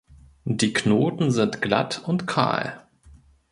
Die Knoten sind glatt und kahl.